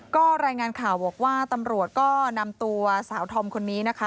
ก็รายงานข่าวบอกว่าตำรวจก็นำตัวสาวธอมคนนี้นะคะ